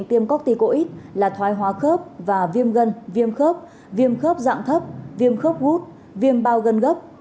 viêm khớp viêm khớp dạng thấp viêm khớp gút viêm bao gân gấp